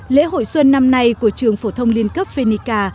lễ hội xuân năm nay của trường phổ thông liên cấp phenica